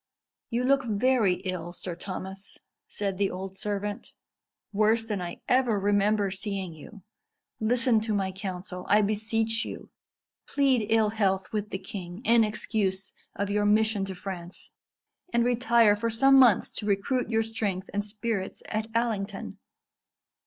"You look very ill, Sir Thomas," said the old servant; "worse than I ever remember seeing you. Listen to my counsel, I beseech you. Plead ill health with the king in excuse of your mission to France, and retire for some months to recruit your strength and spirits at Allington."